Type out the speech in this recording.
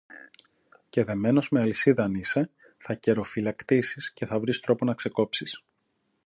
Και δεμένος με αλυσίδα αν είσαι, θα καιροφυλακτήσεις και θα βρεις τρόπο να ξεκόψεις